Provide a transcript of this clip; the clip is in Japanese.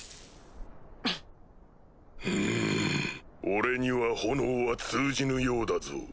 俺には炎は通じぬようだぞ。